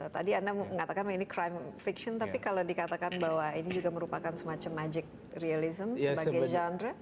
tadi anda mengatakan ini crime fiction tapi kalau dikatakan bahwa ini juga merupakan semacam magic realism sebagai genre